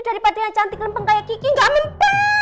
daripada yang cantik lempeng kayak kiki gak mempel